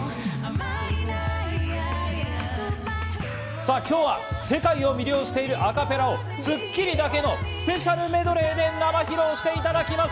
さぁ、今日は世界を魅了しているアカペラを『スッキリ』だけのスペシャルメドレーで生披露していただきます。